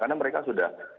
karena mereka sudah